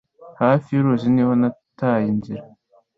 Hafi y'uruzi niho nataye inzira.